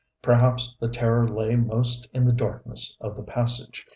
Perhaps the terror lay most in the darkness of the passage.